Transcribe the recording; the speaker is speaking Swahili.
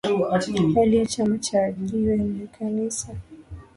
Bali ba chaya ma jiwe mu kanisa